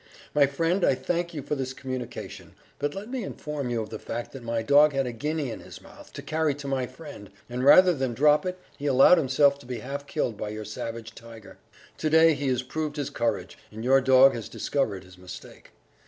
... My friend, I thank you for this communication, but let me inform you of the fact that my dog had a guinea in his mouth to carry to my friend, and rather than drop it he allowed himself to be half killed by your savage Tiger. To day he has proved his courage, and your dog has discovered his mistake.